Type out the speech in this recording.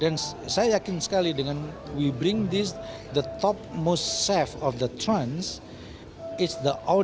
dan saya yakin sekali dengan kami membawa ini kepada chef terbesar di trans penonton di bandung akan kagum